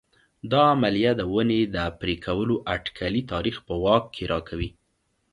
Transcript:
دا عملیه د ونې د پرې کولو اټکلي تاریخ په واک کې راکوي